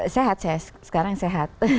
sehat saya sekarang sehat